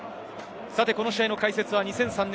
この試合の解説は２００３年